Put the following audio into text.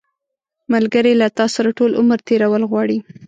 ملګری له تا سره ټول عمر تېرول غواړي